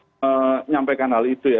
menyampaikan hal itu ya